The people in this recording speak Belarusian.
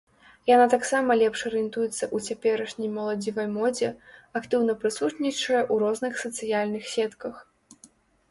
Яна таксама лепш арыентуецца ў цяперашняй моладзевай модзе, актыўна прысутнічае ў розных сацыяльных сетках.